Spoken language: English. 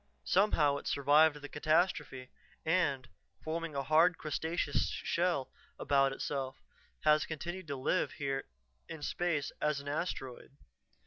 Somehow it survived the catastrophe, and, forming a hard, crustaceous shell about itself, has continued to live here in space as an asteroid.